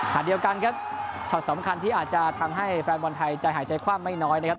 เดียวกันครับช็อตสำคัญที่อาจจะทำให้แฟนบอลไทยใจหายใจความไม่น้อยนะครับ